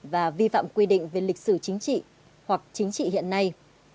và vi phạm quy định về lịch sử chính trị hoặc chính trị hiện nay